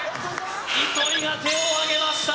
糸井が手をあげました